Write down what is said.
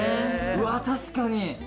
うわ確かに。